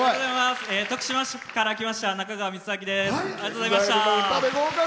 徳島市から来ましたなかがわです。